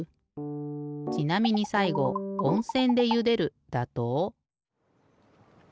ちなみにさいごおんせんでゆでるだと。